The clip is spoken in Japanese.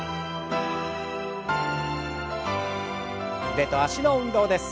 腕と脚の運動です。